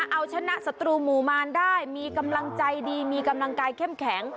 เอาชนะศัตรูหมู่มารได้มีกำลังใจดีมีกำลังกายเข้มแข็ง